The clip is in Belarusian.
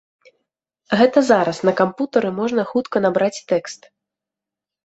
Гэта зараз на кампутары можна хутка набраць тэкст.